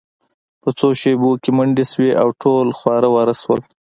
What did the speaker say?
په څو شیبو کې منډې شوې او ټول خواره واره شول